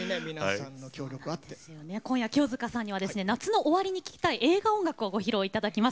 今夜、清塚さんには夏の終わりに聴きたい映画音楽をご披露いただきます。